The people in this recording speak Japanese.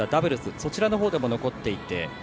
そちらのほうでも残っていて。